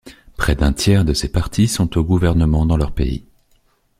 Près d'un tiers de ses partis sont au gouvernement dans leur pays.